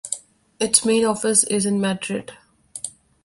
Its main office is in Madrid.